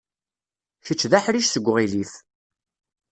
Kečč d aḥric seg uɣilif.